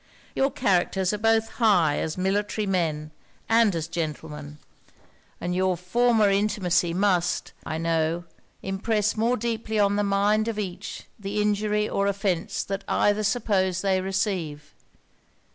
Your characters are both high as military men, and as gentlemen; and your former intimacy must, I know, impress more deeply on the mind of each the injury or offence that either suppose they receive.